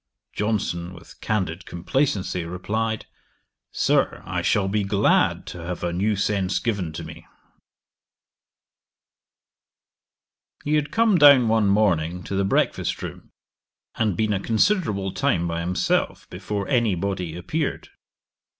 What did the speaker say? Johnson with candid complacency replied, "Sir, I shall be glad to have a new sense given to me."' 'He had come down one morning to the breakfast room, and been a considerable time by himself before any body appeared.